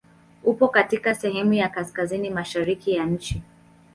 Upo katika sehemu ya kaskazini mashariki ya nchi.